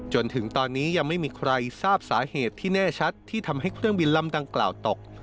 จนถึงตอนนี้ยังไม่มีใครทราบสาเหตุที่แน่ชัดที่ทำให้เครื่องบินลำดังกล่าวตก